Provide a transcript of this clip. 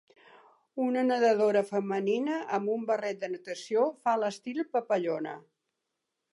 Una nedadora femenina amb un barret de natació fa l"estil papallona.